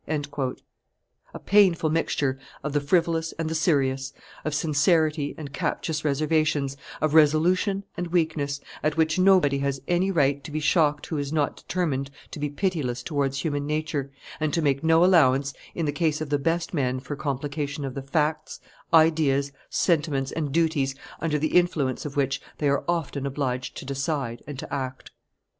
A painful mixture of the frivolous and the serious, of sincerity and captious reservations, of resolution and weakness, at which nobody has any right to be shocked who is not determined to be pitiless towards human nature, and to make no allowance in the case of the best men for complication of the facts, ideas, sentiments, and duties, under the influence of which they are often obliged to decide and to act.